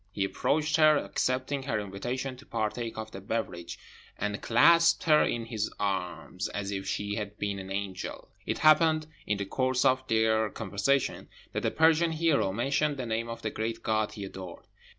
He approached her, accepted her invitation to partake of the beverage, and clasped her in his arms as if she had been an angel. It happened, in the course of their conversation, that the Persian hero mentioned the name of the great God he adored.